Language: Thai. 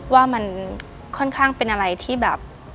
ว่ามันค่อนข้างเป็นอะไรที่แบบ